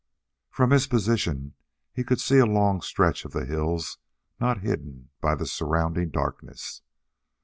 From his position he could see a long stretch of the hills not hidden by the surrounding darkness.